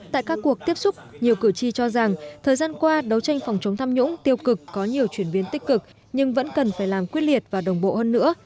tại các cuộc tiếp xúc nhiều cử tri cho rằng thời gian qua đấu tranh phòng chống tham nhũng tiêu cực có nhiều chuyển biến tích cực nhưng vẫn cần phải làm quyết liệt và đồng bộ hơn nữa